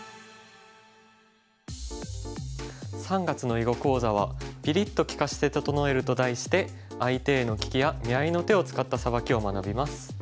３月の囲碁講座は「ピリッ！と利かして整える」と題して相手への利きや見合いの手を使ったサバキを学びます。